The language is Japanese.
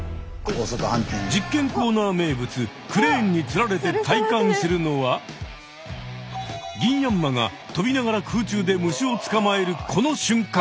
実験コーナー名物クレーンにつられて体感するのはギンヤンマが飛びながら空中で虫をつかまえるこの瞬間！